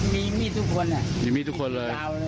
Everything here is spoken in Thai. มีมีดทุกคนมีมีดทุกคนเลย